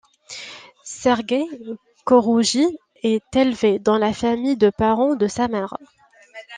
Sergueï Khorouji est élevé dans la famille de parents de sa mère.